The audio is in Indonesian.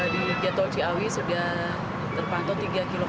di tol ciawi sudah terpantau tiga km